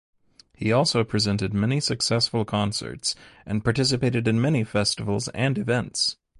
He also presented many successful concerts and participated in many festivals and events.